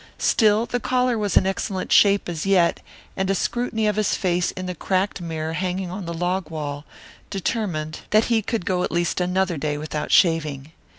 Still the collar was in excellent shape as yet, and a scrutiny of his face in the cracked mirror hanging on the log wall determined that he could go at least another day without shaving.